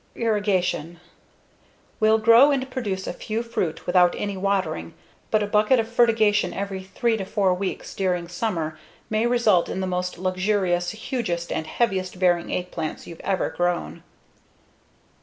Irrigation: Will grow and produce a few fruit without any watering, but a bucket of fertigation every three to four weeks during summer may result in the most luxurious, hugest, and heaviest bearing eggplants you've ever grown.